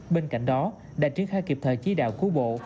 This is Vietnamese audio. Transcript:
bên cạnh đó đã triển khai kịp thời chỉ đạo của bộ